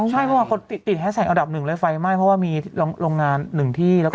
ใช่เพราะว่าคนติดให้ใส่อันดับหนึ่งไฟไหม้เพราะว่ามีโรงงานหนึ่งที่